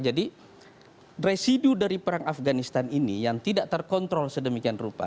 jadi residu dari perang afganistan ini yang tidak terkontrol sedemikian rupa